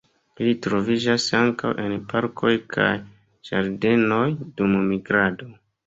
Ili troviĝas ankaŭ en parkoj kaj ĝardenoj dum migrado.